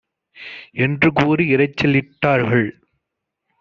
என்று கூறி இரைச்சலிட் டார்கள்.